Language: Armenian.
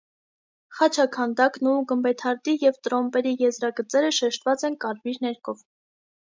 Խաչաքանդակն ու գմբեթարդի և տրոմպերի եզրագծերը շեշտված են կարմիր ներկով։